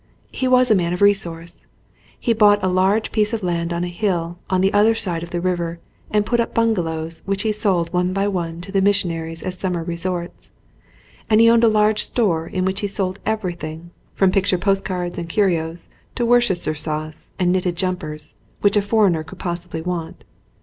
He was a man of resource. He bought a large piece of land on a hill on the other side of the river and put up bungalows which he sold one by one to the missionaries as summer resorts ; and he owned a large store in which he sold everything, from picture postcards and curios to Worcester sauce and knitted jumpers, which a foreigner could possibly want.